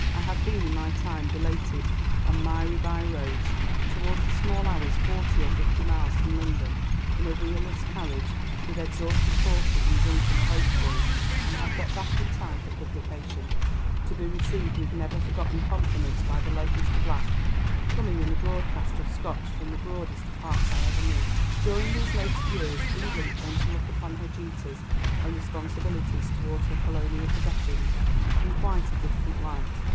I have been, in my time, belated on miry by roads, towards the small hours, forty or fifty miles from London, in a wheelless carriage, with exhausted horses and drunken post boys, and have got back in time for publication, to be received with never forgotten compliments by the late Mr Black, coming in the broadest of Scotch from the broadest of hearts I ever knew." During these later years England came to look upon her duties and responsibilities toward her colonial possessions in quite a different light.